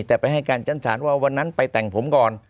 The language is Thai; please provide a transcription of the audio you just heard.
แต่ไปให้การชั้นศาลว่าวันนั้นไปแต่งผมก่อน